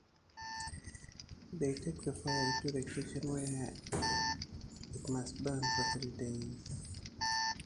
They take the fire into the kitchen, where it must burn for three days.